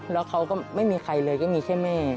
แล้วเขาก็ไม่มีใครเลยก็มีแค่แม่